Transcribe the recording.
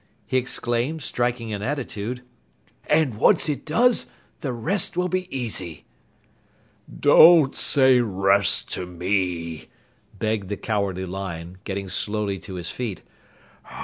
he exclaimed, striking an attitude. "And once it does, the rest will be easy." "Don't say rest to me," begged the Cowardly Lion, getting slowly to his feet.